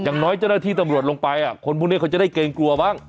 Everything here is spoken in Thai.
อย่างน้อยเจ้าหน้าที่ตำรวจลงไปคนพวกนี้เขาจะได้เกรงกลัวบ้าง